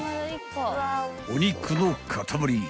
［お肉の塊］